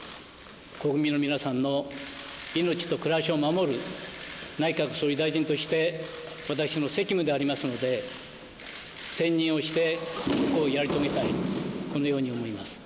国民の皆さんの命と暮らしを守る内閣総理大臣として、私の責務でありますので、専念をしてやり遂げたい、このように思います。